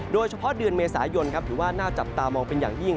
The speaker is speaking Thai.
โดยเฉพาะเดือนเมษายนถือว่าน่าจับตามองเป็นอย่างยิ่ง